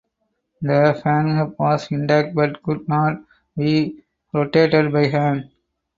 The fan hub was intact but could not be rotated by hand.